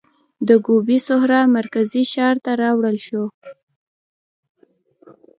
د ګوبي سحرا مرکزي ښار ته راوړل شو.